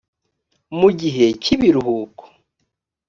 mu gihe cy ibiruhuko